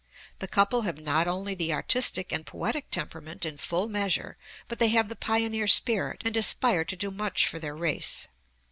The couple have not only the artistic and poetic temperament in full measure, but they have the pioneer spirit and aspire to do much for their race.